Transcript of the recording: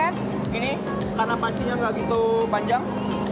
ini karena pancinya nggak gitu panjang